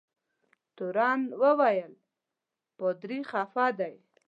تورن وویل پادري خفه دی.